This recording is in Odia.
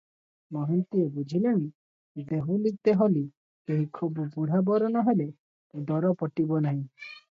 ମହାନ୍ତିଏ ବୁଝିଲେଣି, ଦୋହୁଳି ତେହଳି କେହି, ଖୁବ୍ ବୁଢା ବର ନ ହେଲେ ଦର ପଟିବ ନାହିଁ ।